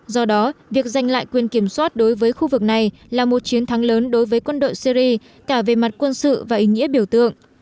do đó việc giành lại quyền kiểm soát đối với khu vực này là một chiến thắng lớn đối với quân đội syri cả về mặt quân sự và ý nghĩa biểu tượng